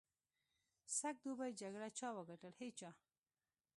سږ دوبي جګړه چا وګټل؟ هېچا.